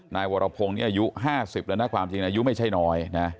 นายวรพงศ์นี่อายุ๕๐แล้วนะความจริงอายุไม่ใช่น้อยนะ